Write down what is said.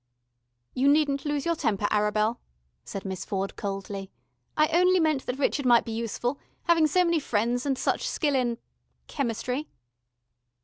"You needn't lose your temper, Arabel," said Miss Ford coldly. "I only meant that Richard might be useful, having so many friends, and such skill in ... chemistry...."